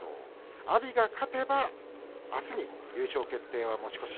阿炎が勝てばあすに優勝決定は持ち越し。